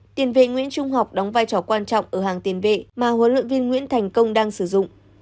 tiền vệ nguyễn trung học đóng vai trò quan trọng ở hàng tiền vệ mà huấn luyện viên nguyễn thành công đang sử dụng